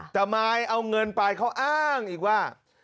แต่มายเอาเงินไปเขาอ้างอีกว่า